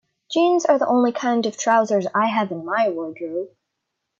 Jeans are the only kind of trousers I have in my wardrobe.